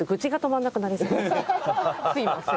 すみません。